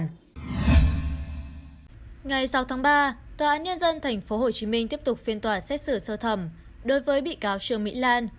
ngày sáu tháng ba tòa án nhân dân tp hcm tiếp tục phiên tòa xét xử sơ thẩm đối với bị cáo trương mỹ lan